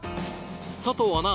佐藤アナ